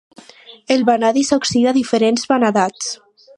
El vanadi s'oxida a diferents vanadats.